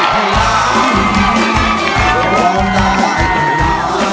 เพลงที่๖มูลค่า๑แสนบาท